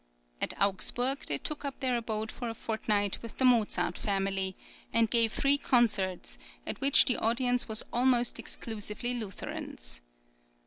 At Augsburg they took up their abode for a fortnight with the Mozart family, and gave three concerts, at which the audience were almost exclusively Lutherans.